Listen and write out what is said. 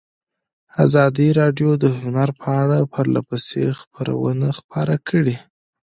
ازادي راډیو د هنر په اړه پرله پسې خبرونه خپاره کړي.